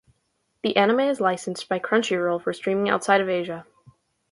The anime is licensed by Crunchyroll for streaming outside of Asia.